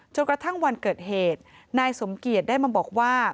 กระทั่งวันเกิดเหตุนายสมเกียจได้มาบอกว่า